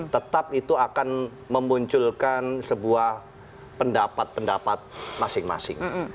tetap itu akan memunculkan sebuah pendapat pendapat masing masing